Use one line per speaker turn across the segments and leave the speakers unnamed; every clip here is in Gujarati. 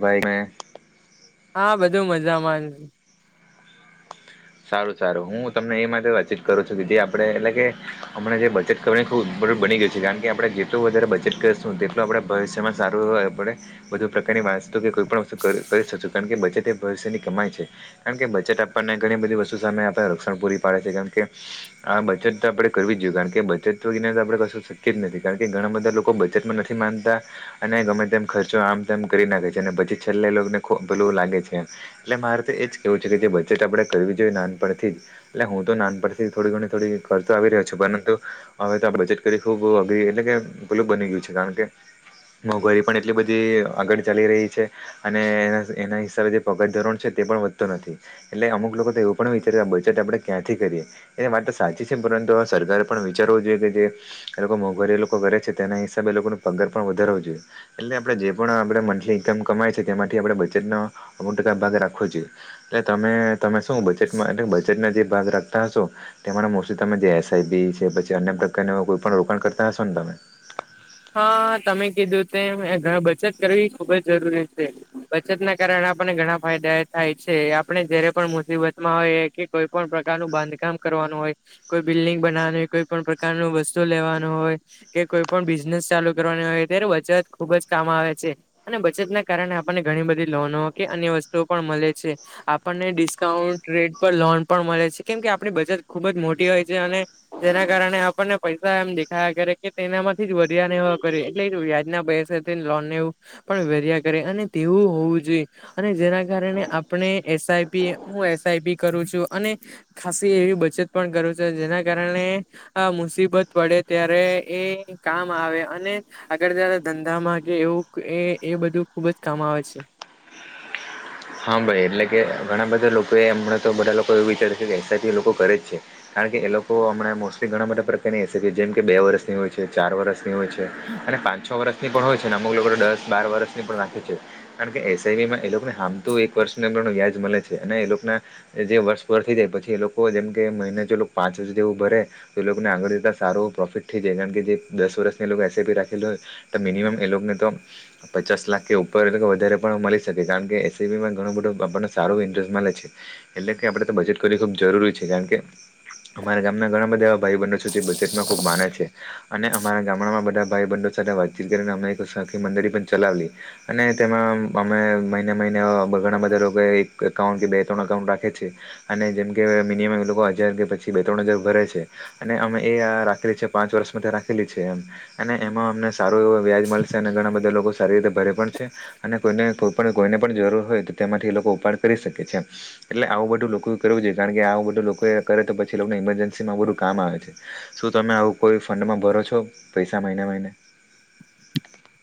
ભાઈમે
હા બધું મજામાં.
સારું સારું હું તમને એ માટે વાતચીત કરું છું કે જે આપે એટલે કે અમને જે બચત કરવાની ખૂ બરાબર બની ગયું છે કારણ કે આપણે જેટલું વધારે બચત કરીશું તેટલું આપણે ભવિષ્યમાં સારું આપડે વધુ પ્રકારની વા સ્તુ કે કોઈ પણ વસ્તુ કરી શકશુ કારણ કે બજેટ એ ભવિષ્યની કમાઈ છે કારણ કે બચત આપણને ઘણી બધી વસ્તુ સામે આપણે રક્ષણ પૂરી પાડે છે કારણ કે આ બચત આપણેે કરવી જ જોઈએ કારણ કે બચત તો એક એના વગર આપણે કશું શકય જ નથી કારણ કે ઘણા બધા લોકો બચતમાં નથી માનતા અને ગમે તેમ ખર્ચવા આમ તેમ કરી નાખે છે પછી છેલ્લે એ લોકોને ખૂ પેલું લાગે છે એટલે મારે તો એજ કેવું છે કે જે બચત આપડે જરૂરી છે કે નાનપણથી જ એટલે હું તો નાનપણથી જ થોડી ઘણી થોડી કરતો આવી રહ્યો છું પરંતુ હવે તો બચત કરવી ખૂબ અઘરી એટલે કે પેલું બની ગયું છે કારણ કે મોંઘવારી પણ એટલી બધી આગળ ચાલી રહી છે અને એના હિસાબે જે પગાર ધોરણ છે તે પણ વધતો નથી એટલે અમુક લોકો તો એવું પણ વિચારે બચત આપણે ક્યાંથી કરીએ એ વાત તો સાચી છે પરંતુ અવે સરકારે પણ વિચારવું જોઈએ કે જે એ લોકો મોંઘવારી એ લોકો કરે છે તેના હિસાબે એ લોકોનો પગાર પણ વધારવો જોઈએ એટલે આપણે જે પણ આપણે મંથલી ઈન્કમ કમાય છે તેમાંથી આપણે બચતનો અમુક ટકા ભાગ રાખવો જોઈએ એટલે તમે તમે શું બચતમાં બચતના જે ભાગ રાખતા હશો તેમાંના મોસ્ટલી તમે જે એસ આઈ પી છે પછી અન્ય પ્રકાર કોઈ પણ રોકાણ કરતા હશો ને તમે? [inaudible]
હા તમે કીધું તે બચત કરવી ખુબ જ જરૂરી છે, બચત ના કારણે આપને ઘણા ફાયદા થાય છે આપણે જયારે પણ મુસીબતમાં હોઈએ કે કોઈ પણ પ્રકારનું બાંધકામ કરવાનું હોય કોઈ બિલ્ડિંગ બનાવાની હોય કોઈ પ્રકારનું વસ્તુ લેવાનું હોય કે કોઈ પણ બીઝ નેસ ચાલુ કરવાની હોય ત્યારે બચત ખુબ જ કામ આવે છે અને બચતના કારણે આપણને ઘણી બધી લોનો અન્ય વસ્તુઓ પણ મળે છે આપણને ડિસકાઉન્ટ રેટ પર લોન પણ મળે છે કેમ કે આપણે બધી ચત ખૂબ જ મોટી હોય છે અને તેના કારણે આપણને પૈસા એમ દેખાયા કરે કે તેનામાંથી જ બ તેવાને એવા કરે એટલે વ્યાજના પૈસાથી લોનને એવું પણ ભર્યા કરે અને તેવું હોવું જોઈએ. અને જેના કારણે આપણે એસ આઈ પી હું એસ આઈ પી કરું છું અને ખાસી એવી બચત પણ કરું છે જેના કારણે અ મુસીબત પડે ત્યારે એ કામ આવે અને આગળ જતા ધંધામાં કે એવું એ એ બધું ખુબ જ કામ આવે છે.
[inaudible] હા ભાઈ એટલે કે ઘણા બધા લોકો એ હમણાં તો બધા લોકો એવું વિચારે છે કે એસ આઈ પી એ લોકો કરે જ છે કારણ કે એ લોકો હમણાં મોસ્ટલી ઘણા બધા પ્રકારની એસ આઈ પી જેમ કે બે વર્ષની હોય છે ચાર વર્ષ હોય છે અને પાંચ છ વર્ષ ની પણ હોય છે અને અમુક લોકોને દસ બાર વર્ષની પણ રાખે છે કારણ કે એસ આઈ પીમાં એ લોકને હામ તું એક વર્ષ અંદરનું વ્યાજ મલે છે અને એ લોકના જે વર્ષ પતી જાય પછી એ લોકો જેમ કે મહિને જે પાંચ વર્ષ જેવું ભરે તો એ લોકને આગળ જતા સારો એવો પ્રોફિટ થઈ જાય કારણ કે જે દસ વર્ષની લોકો એસ આઈ પી રાખે મિનિમમ એ લોકને તો પચાસ લાખથી ઉપર એટલે કે વધારે પણ મલી શકે છે કારણ કે ઘણો બધો આપણને સારો ઈન્ટરેસ્ટ મળે છે એટલે કે આપણે તો બચત કરવી ખૂબ જરૂરી છે કારણ કે અમારા ગામના ઘણા બધા એવા ભાઈબંધો છે જે બચતમાં ખુબ માને છે અને અમારા ગામડામાં બધા ભાઈબંધો સાથે વાતચીત કરીને અમને એક સાથી મંડળી પણ ચલાવીએ અને તેમાં અમે મહિને મહિને ઓ ઘણા બધા રોકાયા એક એકાઉન્ટ કે બે ત્રણ અકાઉન્ટ રાખે છે અને જેમકે મિનિમમ એ લોકો હજાર કે પછી બે ત્રણ હજાર ભરાય છે અને અમે એ રાખેલી છે પાંચ વર્ષ માટે રાખેલી છે એમ અને એમાં અમને સારું એવું વ્યાજ મલશે અને ઘણા બધા લોકો સારી રીતે ભરે પણ છે અને કોઈને કોઈપણ કોઈને પણ જરૂર હોય તો તેમાંથી એ લોકો ઉપાડ કરી શકે છે એમ એટલે આવું બધું લોકો કરવું જોઈએ કારણ કે આવું બધું કોઈ કરે તો પછી એ લોકને ઈમરજન્સીમાં આવું બધું કામ આવે છે શું તમે આવું કોઈ ફંડમાં ભરો છો પૈસા? મહિને-મહિને.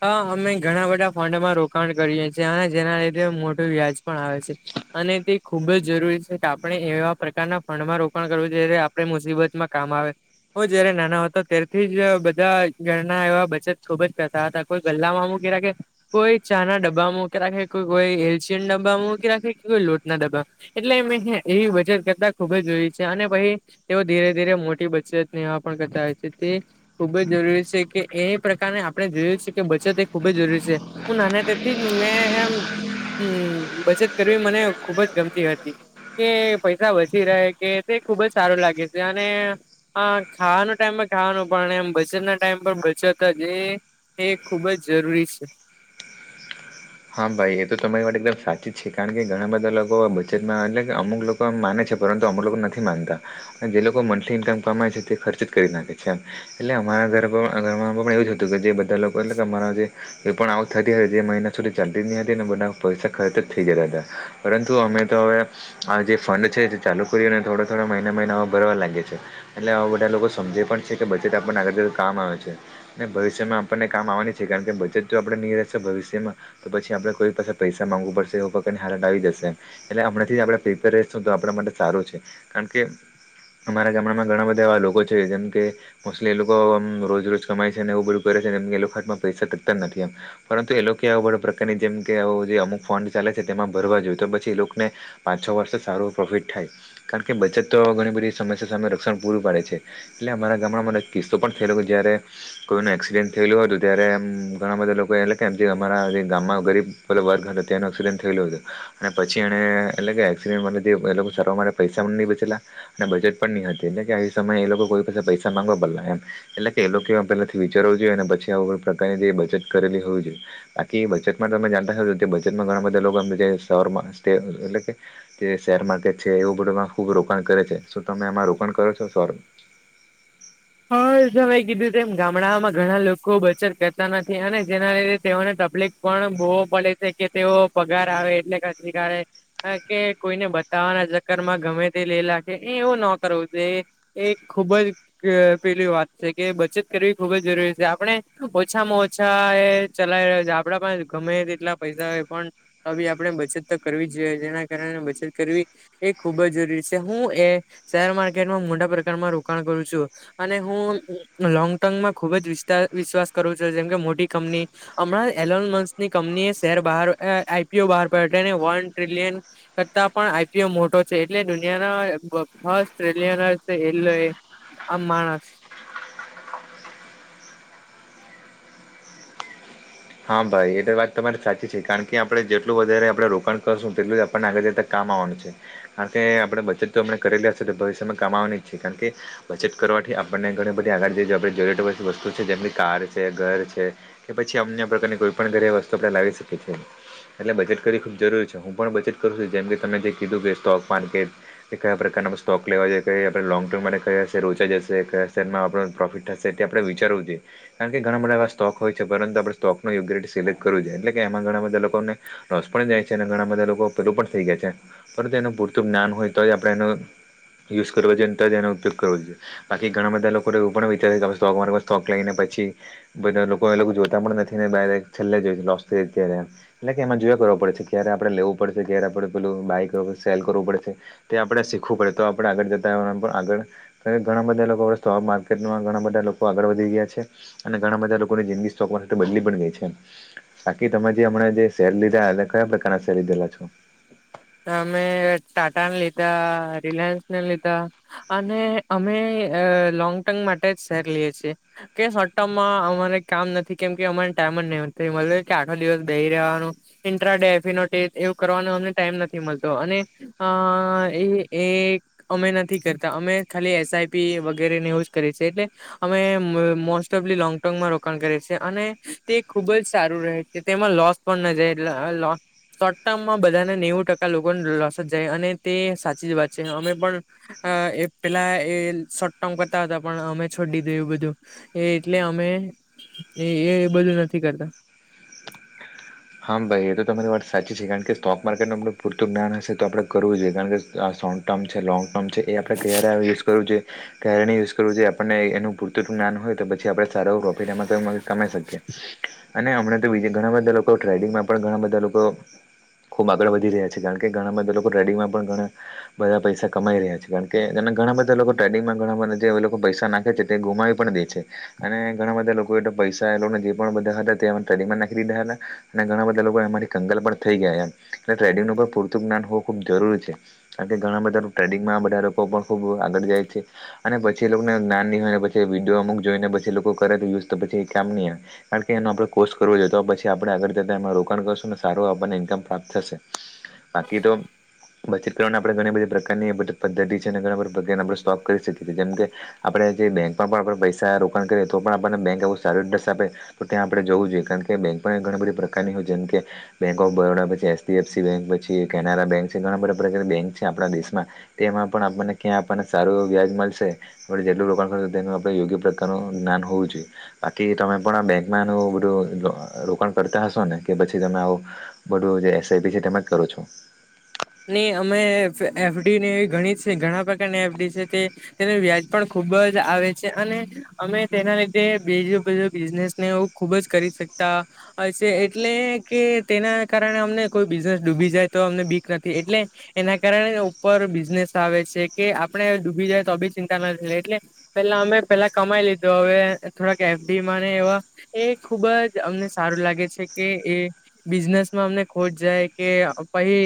હ અમે ઘણા બધા ફંડમાં રોકાણ કરીએ છીએ અને જેના લીધે મોટું વ્યાજ પણ આવે છે અને તે ખૂબ જ જરૂરી છે કે આપણે એવા પ્રકારના ફંડમાં રોકાણ કરવું જ્યારે આપણે મુસીબતમાં કામ આવે. હો જ્યારે નાના હતો ત્યારથી જ બધા ઘરના એવા બચત ખુબ જ કરતા હતા. કોઈ ગલ્લામાં મૂકી રાખે કોઈ ચા ના ડબ્બામાં મુકી રાખે કોઈ કોઈ એશિયન ડબ્બામાં મૂકી રાખે કોઈ લોટના ડબ્બા એટલે મે એ બચત કરતા ખુબ જ જોઈ છે અને પછી તે ધીરે ધીરે મોટી બચતને એવા કરતા હોય છે તે ખૂબ જ જરૂરી છે કે એ પ્રકારને આપણે જોયુ છે. કે બચત એ ખુબ જ જરૂરી છે હું નાના તેથી મેં એમ હમ્મ બચત કરવી મને ખુબ જ ગમતી હતી. કે પૈસા વધી રહે કે તે ખુબ જ સારું લાગે છે અને અ ખાવાનો ટાઈમ પર ખાવાનું પણ એમ બચતના ટાઈમ પર બચત જ એ એ ખૂબ જ જરૂરી છે.
હા ભાઈ એ તો તમારી માટે એકદમ સાચી જ છે કારણ કે ઘણા બધા લોકો બચતમાં એટલે કે અમુક લોકો એમ માને છે. પરંતુ અમે લોકો નથી માનતા જે લોકો મંથલી ઇનકમ કરે છે તે ખર્ચ કરી નાખે છે એટલે આમાં મારા ઘર ઘરમાં પણ એવું જ હતું કે જે બધા લોકો એટલે કે મારા જે એ પણ આવક થતી હતી એ મહિને છોલી ચાલતી નહીં હતી અને બધા પૈસા ખર્ચ જ થઈ ગયા હતા પરંતુ અમે તો હવે આ જે ફંડ છે જે ચાલુ કરી અને થોડા થોડા મહિના મહિનાવા ભરવા લાગે છે એટલે આવા બધા લોકો સમજે પણ છે કે બજેટ આપણને આગળ જતા કામ આવે છે ને ભવિષ્યમાં આપણને કામ આવવાની છે કારણ કે બચત તો આપણે ની રહે તો ભવિષ્યમાં તો પછી આપડે કોઈ પાસે પૈસા માંગવુ પડશે એ પણ હાલત આવી જશે એટલે હમણા આપણે પેપર આપણા માટે સારું છે કારણ કે અમારા ગામડામાં ઘણા બધા એવા લોકો છે જેમ કે મોસ્ટલી એ લોકોમ રોજ રોજ કમાય છે ને એવું બધું કરે એ લોકના હાથમા પૈસા તકતા નથી અમ પરંતુ એ લોકો કે આવ બધુ પ્રકારની જેમ કે આવો જે અમુક ફંડ ચાલે છે તેમાં ભરવા જોઈએ તો પછી એ લોકોને પાંચ છો વર્ષ સારું પ્રોફિટ થાય કારણ કે બચત તો ઘણી બધી સમસ્યા સામે રક્ષણ પૂરું પાડે છે એટલે અમારા ગામડામાં મને કિસ્સો પણ થયેલો જય્યારે કોઈનું એક્સિડેન્ટ થયેલું હતું ત્યારે એમ ઘણા બધા લોકો એટલે કેમ જે અમારા જે ગામમાં ગરીબ વર્ગ હતો તનું એક્સિડન્ટ થયેલું હતો અને પછી એને એટલે કે એક્સિડન્ટ [unintelligible] પૈસા ન બચેલા અને બજેટ પણ નહી કે સમય એ લોકો કોઈ પાસે પૈસા મા ગવા એટલે કે એ લોકો પહેલાથી વિચારવું જોઈએ અને પીછી આવુ બધી પ્રકારની જે બચત કરેલી હોવી જોઈએ. બાકી બચતમાં તમે જાણતો બેટમાં ઘણા બધા લોકો સર એટલે કે જે શેર માર્કેટ છે એવું બધુંમાં ખૂબ રોકાણ કરે છે શું તમે આમાં રોકાણ કરો છો સોરું? [inaudible]
હા સા કીધું એમ ગામડામાં ઘણા લોકો બચત કરતા નથી અને જેના લીધે તેઓને તપ્લિક પણ બો પડે છે કે તેઓ પગાર આવે એટલે ખછી કાડે કે કોઈને બધ તાવાના ચક્કર માં ગમે તે લેલા ગે એવું ન કરવું એ ખુબ જ પેલી વાત છે કે બચત કરવી ખુબ જ જરૂરી છે આપણે ઓછામાં ઓછા એ ચલાવી આપડા પાસ ગમે તેટલા પૈસા હોય પણ તો ભી આપણે બચત તો કરવી જ જોઈએ જેના કારણે વી એ ખુબ જ જરૂરી છે હું એ શેર માર્કેટમાં મોટા પ્રકારમાં રોકાણ કરું છું. અને હું લોંગ ટર્મમાં ખુબ વિસ્તા વિશ્વાસ કરુ છુ જેમકે મોટી કંપની હ એલોનમસની કંપની એ શેર બહાર આઈ. પી. ઓ બહાર પડ્યો અને વન ટ્રિલિયન કરતા પણ આઈ. પી. ઓ મોટો છે એટલે દુનિયાના ફર્સ્ટ ટ્રેલિયનએર છે એટલે એ આમાણસ
હા ભાઈ એ તો વાત તમારી સાચી છે કારણ કે આપડણે જેટલું વધારે આપડણે રોકાણ કરશું તેટલું જ આપણને આગળ જતા કામ માં આવાનું છે કારણ કે આપણે બચત તો હમણાં કરેલી હશે તે ભવિષ્યમાં કમાવાની છે કારણ કે બચત કરવ કે આપણને ઘણી બધી આગળ જઈ આપ જરુર વસ્તુ છે જેમ કે કાર છે ઘર છે કે પછી અમને કોઈ પણ ઘરે વસ્તુ આપણે લાવી શકીએ છીએ. એટલે બચત કર ખુબ જરૂરી છે હું પણ બચત કરું છું જેમ કે તમે જે કીધું કે સ્ટોક માર્કેટ કયા પ્રકાર સ્ટોક લેવાઈએ કઈ આપણે લોંગ ટર્મ માટે કયા હશે રોચા જશે કયા હશે એમાં આપણું પ્રોફિટ થશે એ આપણે વિચારું કારણ કે ઘણા બધા એવા સ્ટોક હોય છે પરંતુ આપ સ્ટોક યોગ્ય રીતે સિલેક્ટ કરવુ જોએ એટલે કે એમાં ઘણા બધા લોકોને લોસ પણ જાય છે અને ઘણા બધા લોકો પેલું પણ થઈ જાય છે. પરંતુ એનુ પૂરતુ જ્ઞાન હોય તો આપણે એનું યુઝ કર જોઈએ અને તોજ એનો ઉપયોગ કરવો જોઈએ બાકી ઘણા બધા લોકોને એવ પણ વિચાર હમે સ્ટોક માર્કેટમાં સ્ટોક લઈને પછી બધા લોકો એલોગો જોતા પણ નથી [unintelligible] છેલ્લે જોઈ છે લોસ થ ત્યારે એટલે કે એમાં જોય કરવા પડે છે ક્યારે આપણેે લેવું પડશે ક્યારે આપણે પેલું બાય કરવું સેલ કરવું પડે છે તે આપણેે શીખવું પડે તો આપણે આગળ જતા હો આગળ ઘણા બધા બા [unintelligible] લોકો સ્ટોક માર્કેટમાં ઘણા બધા લોકો આગળ વધી ગયા છે અને ઘણા બધા લોકોની જિંદગી સ્ટોક બદલી પણ ગઈ છે બાકી તમે જે હમણા જે શેર લીધા એ કયા પ્રકારના શેર લીધેલા છે
અમે ટાટા ને લીધા રિલાયન્સ ને લીધા અને અમે લોંગ ટર્મ માટે જ શેર લએ છેએ કે શોર્ટ ટર્મમાં અમારે કામ નથી કેમ કે અમા ટાઈમજ નહીં હોતું કે તે મળે કે આખો દિવસ બહી રહવાનું ઇન્ટ્રાેડે એફ. અન. ઓ તે [unintelligible] એવું કરવાનુંમ ટાઈમ નથી મળતો અને એ એક અમે નથી કરતા અમે ખાલી એસ આઈ. પી વગેરેને એવુંજ કરીછે એટલે અમે મોસ્ટ ઓફ લી લોંગ ટર્મમાં રોકાણ કરે છે અને તે ખુબ જ સારું રહે છે તેમાં લોસ પણ ન જાય એ શોર્ટ ટર્મમાં બધા નેવું ટકા લોકો લોસ જ જાય અને તે સાચી જ વાત છે અમે પણ એ પેલા એ શોર્ટ ટર્મ કરતા હતા પણ અમે છોડી દિંદુ એવું બધું એ એટલે અમે એ એ બધું નથી કરતા
હા ભાઈ એ તો તમારી વા સાચી છે કારણ કે સ્ટોક માર્કેટનું આપણું પૂરતું જ્ઞાન હશે તો આપણે કરવું જોઈએ કારણ કે આ શોંગ ટર્મ છે લોંગ આમ છે એ આપડે [unintelligible] ઘરા યુઝ કરવુંઈએ કારણે યુઝ કરવું જો આપણને એનું પૂરતું જ્ઞાન હોય તો પછી આપણે સારા પ્રોફિટ એમાં કમાઈ શકીએ અને હમણા તો બીજ ઘણા બધા લોકો ટ્રેડિંગમાં પણ ઘણા બધા લોકો ખુબ આગળ વધી રહ્યા છે કારણ કે ઘણા બધા લોકો ટ્રેડિંગમાં પણ ઘણા બધા પૈસા કમાઈ રહ્યા છે કારણ કે ઘણા બધા લોકો ટ્રેડિંગમાં માં ઘણા બધા જે લોકો પૈસા નાખે છે તે ગુમાવી પણ દે છે અને ઘણા બધા લોકો પૈસા એને જે પણ બધા હતા ટ્રેિંગમાં નાખી દીધા હતા અને ઘણા બધા લોકો એમાંથી કંગાલ પણ થઈ ગયા એટલે ટ્રેડિંગનું પણ પૂરતું જ્ઞાન હોવું ખુબ જરૂરી છે ઘણા બધા ટ્રેડિંગમાં બધા લોકો પણ ખૂબ આગળ જાય છે અને પછી એ લોકોને જ્ઞાન હોય પછી અમુક જોઈને પછી લોકો કરે યુઝ તો પછી કામ નહીં કારણ કે એનો આપણે કોર્સ કરવો જોઈએ તો પછી આપ આગળ જતા એમાં રોકાણ કરશું ને સારું આપણને ઇન્કમ પ્રાપ્ત થશે બાકી તો બ આપણે ઘણી બધી પ્રકારની પદ્ધતિ છે અને ઘણા બધા પ્રકાર આપણે સ્ટોક કરી શકીએ જેમ કે આપણે જે બેંક પણ આપણે પૈસા રોકાણ કરીએ તો પણ આપણને બેંક એવું સારું ઇન્ટરેસ્ટ આપે તો ત્યાં આપણે જોવું જોઈએ કારણ કે બેં ઘણી બધી પ્રકારનીય જેમ કે બેંક ઓફ બરોડા પછી એચડીએફસી બેન્ક પછી કેનારા બેંક છે ગણા બધા બેક છે આપ દેશમાં તેમાં પણ આપણને ક્યાં આપણને સારું વ્યાજ મળશે જેટલું રોકાણ તેે યોગ્ય પ્રકારનું જ્ઞાન હોઉ જોઈએબાકી તમે પણ બેંકમાં એ બ રોકાણ કરતા હશો ને કે પછી તમે આવું બધું જે એસઆઈપી છે તમે જ કરો છો
નહી અમે એફડી ઘણી ઘણા પ્રકારની એફડી છે તે તેનું વ્યાજ પણ ખૂબ ખુબ જ આવે છે અને અમે તેના લીધે બીજો બધો બિઝનેસ ને એ ખુબ જ કરી શકીએ એટલે કે તેના કારણે અમને કોઈ બિઝનેસ ડૂબી જાય તો અમને બી નથી એટલે એના કારણે ઉપર બિઝનેસ આવે છે કે આપડે ડૂબી જાય તો બી ચિંતા ન એટલે પેલા અમે પેલા કમાઈ લીધો હવે થોડાક એફડીમાં ને એવા એ ખુબ જ અમને સારું લાગે છે કે એ બિઝનેસમાં અમને ખોટ જાય કે પછી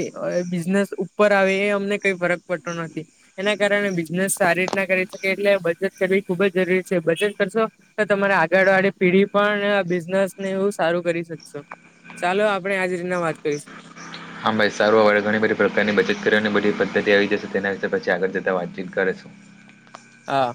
બિઝનેસ ઉપર આવે એ અમને કઈ ફરક પડતો નથી એના કારણે બિઝનેસ સારી રીતના કરી એટલે બચત કરવી ખુબ જ જરૂરી છે બચત કરશો તો તમારે આગળ વાળી પીઢી પણ બ હું સારું કરી શકશો ચાલો આપણે આજ રીતના વાત કરીશું
હા ભાઈ સારું હવાળ ઘણી બધી પ્રકારની બચત કરની બધી પદ્ધતિ આવી જશે તેના વિશે પછી આગળ જતા વાતચીત કરે છે હ
હા